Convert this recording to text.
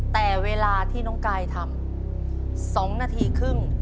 แต่เวลาที่น้องกายทำ๒นาทีครึ่ง